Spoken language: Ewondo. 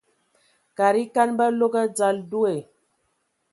Kada ekan ba log adzal deo.